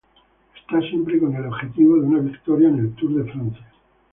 Está siempre con el objetivo de una victoria en el Tour de Francia.